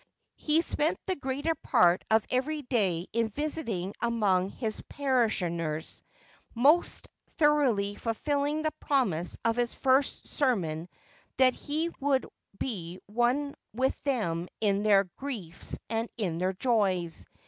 He spent the greater part of every day in visiting among his parish ioners, most thoroughly fulfilling the promise of his first sermon that he would be one with them in their griefs and in their joys.